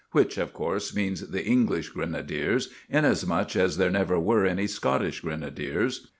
Which, of course, means the English Grenadiers, inasmuch as there never were any Scottish Grenadiers.